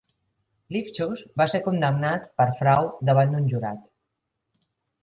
Lifchus va ser condemnat per frau davant un jurat.